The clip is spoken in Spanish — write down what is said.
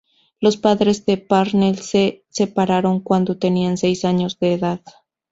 Los padres de Parnell se separaron cuando tenía seis años de edad.